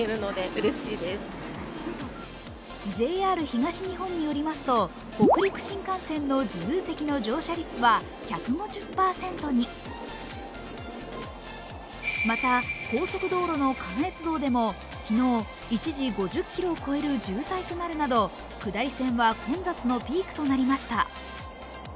ＪＲ東日本によりますと、北陸新幹線の自由席の乗車率は１５０％にまた、高速道路の関越道でも昨日、一時、５０ｋｍを超える渋滞となるなど下り線は混雑のピークとなりました。